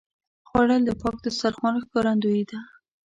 خوړل د پاک دسترخوان ښکارندویي ده